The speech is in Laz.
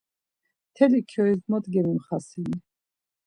Mteli kyois mot gemimxasini?